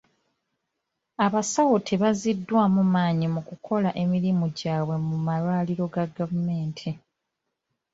Abasawo tebaziddwamu maanyi mu kukola emirimu gyabwe mu malwaliro ga gavumenti.